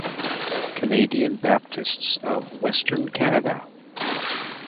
Canadian Baptists of Western Canada.